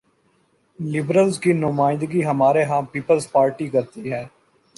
Liberals کی نمائندگی ہمارے ہاں پیپلز پارٹی کرتی ہے۔